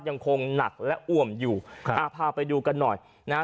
ยังคงหนักและอ่วมอยู่ครับอ่าพาไปดูกันหน่อยนะฮะ